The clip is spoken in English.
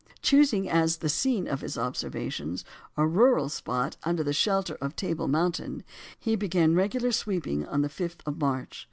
Choosing as the scene of his observations a rural spot under the shelter of Table Mountain, he began regular "sweeping" on the 5th of March.